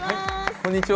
こんにちは。